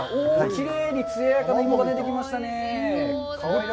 きれいにつややかな芋が出てきましたね。